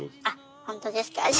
あっほんとですか。